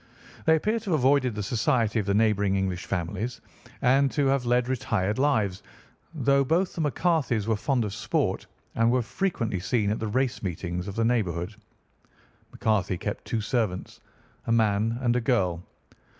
They appear to have avoided the society of the neighbouring English families and to have led retired lives, though both the McCarthys were fond of sport and were frequently seen at the race meetings of the neighbourhood. McCarthy kept two servants—a man and a girl.